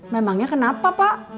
memangnya kenapa pak